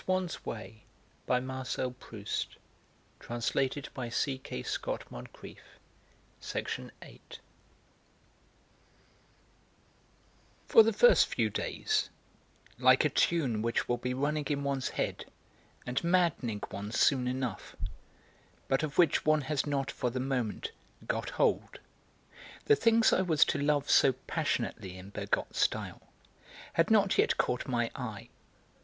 But in the matter of Bergotte he had spoken truly. For the first few days, like a tune which will be running in one's head and maddening one soon enough, but of which one has not for the moment 'got hold,' the things I was to love so passionately in Bergotte's style had not yet caught my eye.